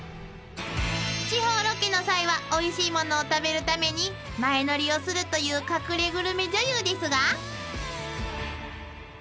［地方ロケの際はおいしいものを食べるために前乗りをするという隠れグルメ女優ですが］